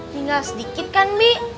tinggal sedikit kan bi